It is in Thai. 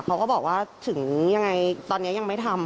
เขาก็บอกว่าถึงยังไงตอนนี้ยังไม่ทำ